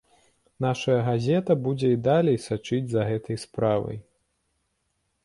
Нашая газета будзе і далей сачыць за гэтай справай.